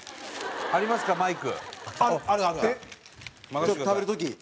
ちょっと食べる時。